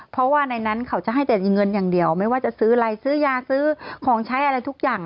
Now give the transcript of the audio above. เพราะว่าในนั้นเขาจะให้แต่เงินอย่างเดียวไม่ว่าจะซื้ออะไรซื้อยาซื้อของใช้อะไรทุกอย่าง